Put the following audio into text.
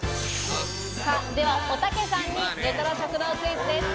では、おたけさんにレトロ食堂クイズです。